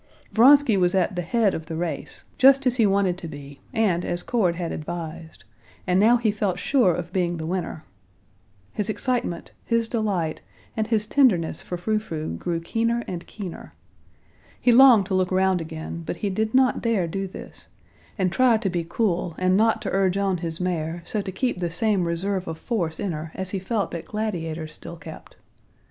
Vronsky was at the head of the race, just as he wanted to be and as Cord had advised, and now he felt sure of being the winner. His excitement, his delight, and his tenderness for Frou Frou grew keener and keener. He longed to look round again, but he did not dare do this, and tried to be cool and not to urge on his mare so to keep the same reserve of force in her as he felt that Gladiator still kept.